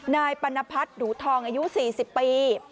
นายปัณพัฒน์หนูทองอายุ๔๐ปี